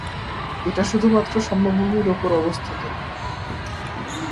এটা শুধুমাত্র সমভূমির উপর অবস্থিত।